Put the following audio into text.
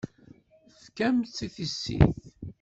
Tefkamt-tt i tissit.